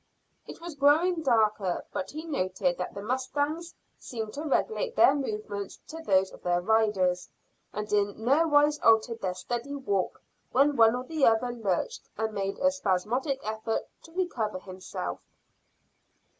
It was growing darker, but he noted that the mustangs seemed to regulate their movements to those of their riders, and in nowise altered their steady walk when one or the other lurched and made a spasmodic effort to recover himself.